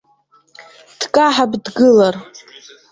Дкаҳап, дгылар.